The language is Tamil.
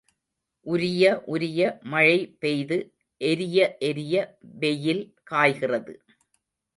உரிய உரிய மழை பெய்து எரிய எரிய வெயில் காய்கிறது.